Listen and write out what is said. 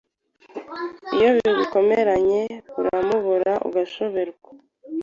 Iyo bigukomeranye uramubura ugashoberwa